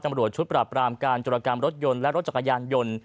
ตำรวจชุดปราบรามการจรกรรมรถยนต์และรถจักรยานยนต์